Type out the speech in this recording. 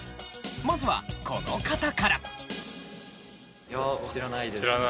まずはこの方から。